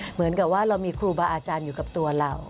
เหมือนกับว่าเรามีครูบาอาจารย์อยู่กับตัวเรา